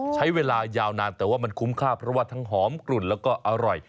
ใช้เวลายาวนานแต่ว่ามันคุ้มค่าเพราะว่าทั้งหอมกลุ่นแล้วก็อร่อย